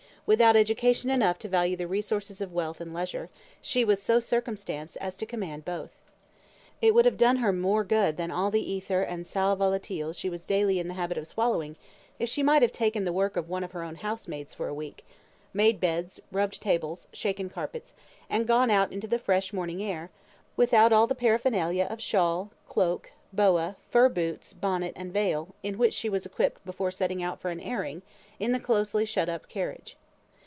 Without education enough to value the resources of wealth and leisure, she was so circumstanced as to command both. It would have done her more good than all the æther and sal volatile she was daily in the habit of swallowing, if she might have taken the work of one of her own housemaids for a week; made beds, rubbed tables, shaken carpets, and gone out into the fresh morning air, without all the paraphernalia of shawl, cloak, boa, fur boots, bonnet, and veil, in which she was equipped before setting out for an "airing," in the closely shut up carriage.